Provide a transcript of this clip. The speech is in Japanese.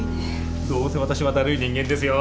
どうせ私はだるい人間ですよ。